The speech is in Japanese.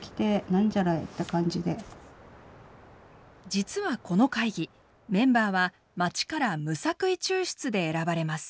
実はこの会議メンバーはまちから無作為抽出で選ばれます。